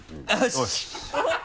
よし！